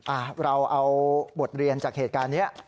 อ่ะเราเอาบทเรียนจากเหตุการณ์นี้